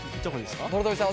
諸富さん